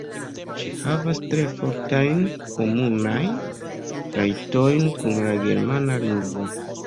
Ĝi havas tre fortajn komunajn trajtojn kun la germana lingvo.